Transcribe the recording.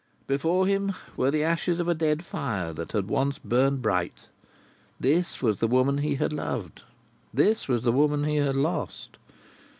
Before him, were the ashes of a dead fire that had once burned bright. This was the woman he had loved. This was the woman he had lost.